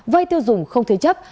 vay tiêu dùng không thế chấp